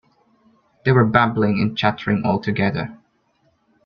They were babbling and chattering all together.